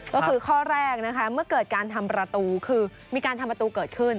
ก็คือข้อแรกนะคะเมื่อเกิดการทำประตูคือมีการทำประตูเกิดขึ้น